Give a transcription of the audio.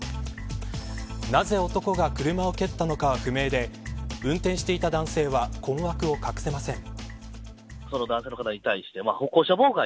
なぜ、男が車を蹴ったのかは不明で運転していた男性は困惑を隠せません。